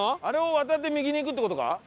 あれを渡って右に行くって事か？